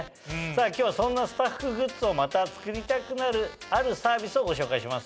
今日はそんなスタッフグッズをまた作りたくなるあるサービスをご紹介します。